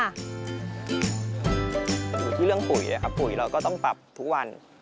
อยู่ที่เรื่องปุ๋ยนะครับปุ๋ยเราก็ต้องปรับทุกวัน